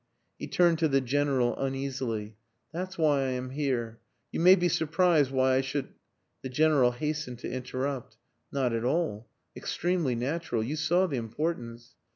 He turned to the General uneasily. "That's why I am here. You may be surprised why I should...." The General hastened to interrupt. "Not at all. Extremely natural. You saw the importance...."